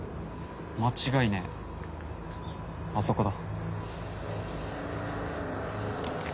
間違いねぇあそこだ。